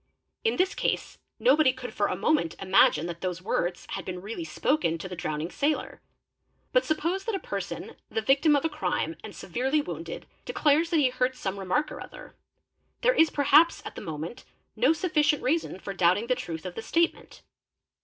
— In this case nobody could for a moment imagine that these words had — been really spoken to the drowning sailor. But suppose that a person, — the victim of a crime and severely wounded, declares that he heard some — remark or other; there is perhaps at the moment no sufficient reason for doubting the truth of the statement.